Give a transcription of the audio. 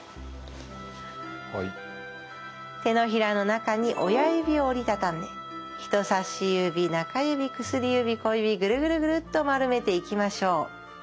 手のひらの中に親指を折り畳んで人さし指中指薬指小指ぐるぐるぐるっとまるめていきましょう。